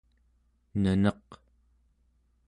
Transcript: neneq